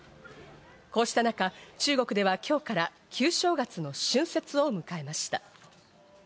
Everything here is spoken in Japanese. こうした中、中国では今日から旧正月の春節を迎えました。